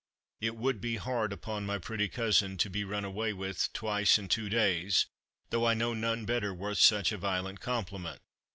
It would be hard upon my pretty cousin to be run away with twice in two days, though I know none better worth such a violent compliment."